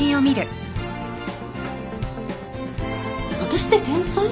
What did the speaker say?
私って天才？